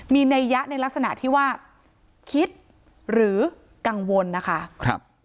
มีนัยยะในลักษณะที่ว่าคิดหรือกังวลนะคะครับ